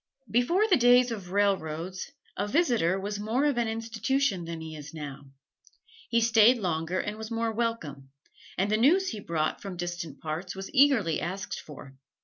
Before the days of railroads, a "visitor" was more of an institution than he is now. He stayed longer and was more welcome; and the news he brought from distant parts was eagerly asked for.